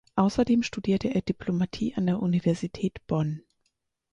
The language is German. Außerdem studierte er Diplomatie an der Universität Bonn.